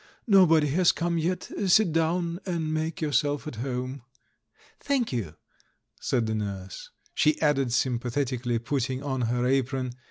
THE THIRD M 331 * 'Nobody has come yet ; sit down and make your self at home." "Thank you," said the nurse. She added sym pathetically, putting on her apron.